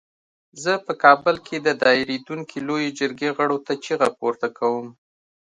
زه په کابل کې د دایریدونکې لویې جرګې غړو ته چیغه پورته کوم.